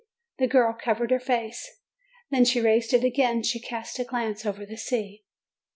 The girl covered her face. When she raised it again, she cast a glance over the sea.